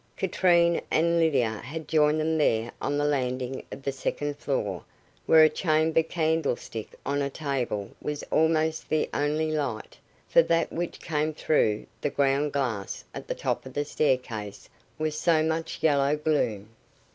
Katrine and Lydia had joined them there on the landing of the second floor, where a chamber candlestick on a table was almost the only light, for that which came through the ground glass at the top of the staircase was so much yellow gloom.